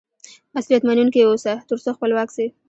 مسئولیت منونکی واوسه، تر څو خپلواک سې.